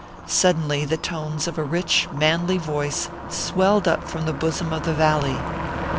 Suddenly the tones of a rich, manly voice swelled up from the bosom of the valley.